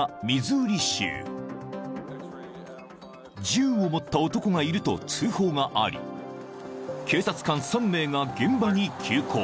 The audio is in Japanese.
［銃を持った男がいると通報があり警察官３名が現場に急行］